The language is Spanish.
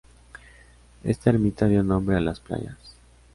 Esta Ermita dio nombre a las playas.